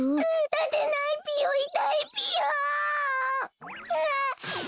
たてないぴよいたいぴよ！